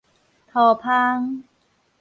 塗蜂